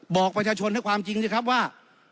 บอกประชาชนให้ความจริงสิครับว่า